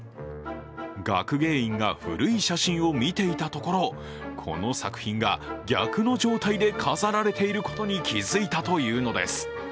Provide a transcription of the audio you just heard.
学芸員が古い写真を見ていたところ、この作品が逆の状態で飾られていることに気付いたというのです。